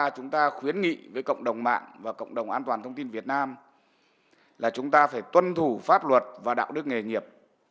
chúng ta khuyến nghị với cộng đồng mạng và cộng đồng an toàn thông tin việt nam là chúng ta phải tuân thủ pháp luật và đạo đức nghề nghiệp